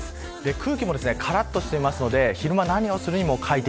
空気もからっとしてますので昼間何をするにも快適。